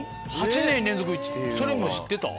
８年連続それも知ってた？